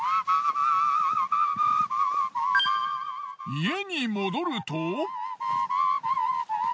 家に戻ると。